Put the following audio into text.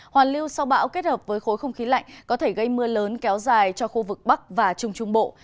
hoàn lưu sau bão kết hợp với khối không khí lạnh có thể gây mưa lớn kéo dài cho khu vực bắc và trung trung bộ